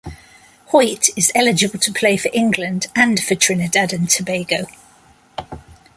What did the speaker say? Hoyte is eligible to play for England and for Trinidad and Tobago.